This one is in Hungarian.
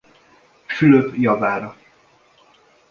Fülöp javára.